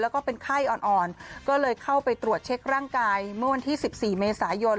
แล้วก็เป็นไข้อ่อนก็เลยเข้าไปตรวจเช็คร่างกายเมื่อวันที่๑๔เมษายน